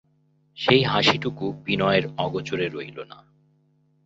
সেই হাসিটুকু বিনয়ের অগোচর রহিল না।